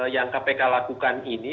yang kpk lakukan ini